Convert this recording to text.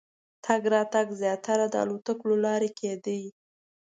تګ راتګ زیاتره د الوتکو له لارې کېدی.